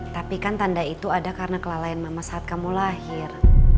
tapi kan tanda itu ada karena kelalaian mama saat kamu lahir